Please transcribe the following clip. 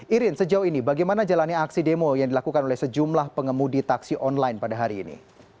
irin sejauh ini bagaimana jalannya aksi demo yang dilakukan oleh sejumlah pengemudi taksi online pada hari ini